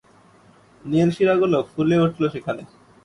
নীল শিরাগুলো ফুলে উঠল সেখানে।